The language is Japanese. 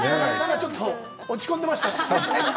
ちょっと落ち込んでましたね。